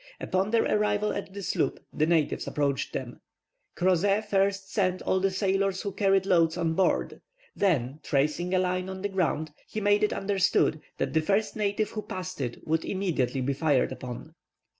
Upon their arrival at the sloop, the natives approached them; Crozet first sent all the sailors who carried loads on board, then, tracing a line on the ground, he made it understood that the first native who passed it would immediately be fired upon.